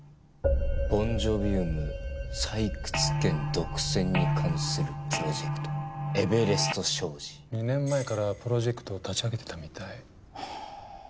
「ボンジョビウム採掘権独占に関するプロジェクト」「エベレスト商事」２年前からプロジェクトを立ち上げてたみたい。